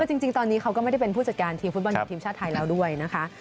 จริงตอนนี้เขาก็ไม่ได้เป็นผู้จัดการทีมฟุตบอลหญิงทีมชาติไทยแล้วด้วยนะคะ